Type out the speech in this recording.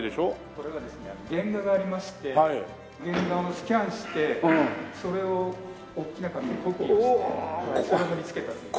これがですね原画がありまして原画をスキャンしてそれを大きな紙にコピーしてそれを貼り付けたという。